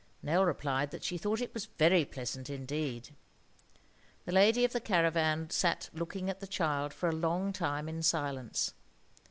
Nell replied that she thought it was very pleasant indeed. The lady of the caravan sat looking at the child for a long time in silence.